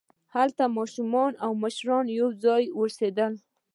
هلته ماشومان او مشران یوځای اوسېدل.